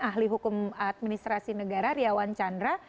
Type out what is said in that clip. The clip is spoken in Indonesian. ahli hukum administrasi negara riawan chandra